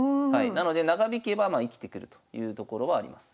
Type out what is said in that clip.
なので長引けば生きてくるというところはあります。